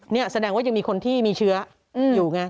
นี่แสดงว่ายังมีคนที่มีเชื้ออยู่ไง